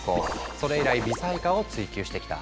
それ以来微細化を追求してきた。